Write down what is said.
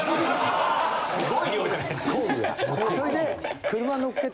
すごい量じゃないっすか。